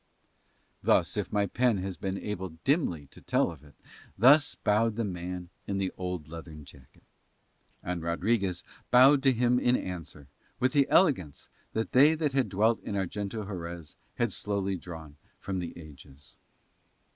Thus, if my pen has been able dimly to tell of it, thus bowed the man in the old leathern jacket. And Rodriguez bowed to him in answer with the elegance that they that had dwelt at Arguento Harez had slowly drawn from the ages.